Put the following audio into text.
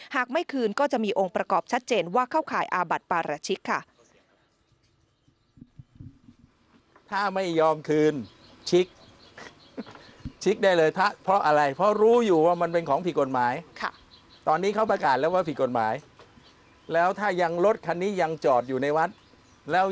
หากไม่คืนก็จะมีองค์ประกอบชัดเจนว่าเข้าข่ายอาบัติปาราชิกค่ะ